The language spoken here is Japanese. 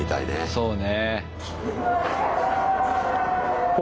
そうね。